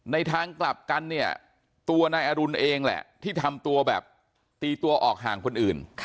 ทางกลับกันเนี่ยตัวนายอรุณเองแหละที่ทำตัวแบบตีตัวออกห่างคนอื่น